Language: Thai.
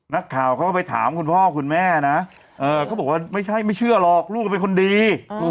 นักข่าวเขาก็ไปถามคุณพ่อคุณแม่นะเขาบอกว่าไม่ใช่ไม่เชื่อหรอกลูกก็เป็นคนดี